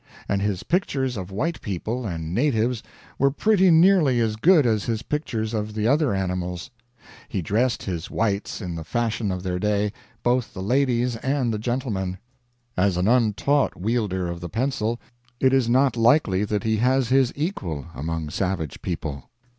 And his pictures of white people and natives were pretty nearly as good as his pictures of the other animals. He dressed his whites in the fashion of their day, both the ladies and the gentlemen. As an untaught wielder of the pencil it is not likely that he has his equal among savage people.